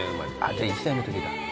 じゃあ１歳のときだ。